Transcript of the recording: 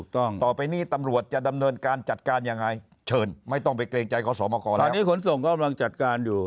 ตอนนี้ขนส่งก็กำลังจัดการอยู่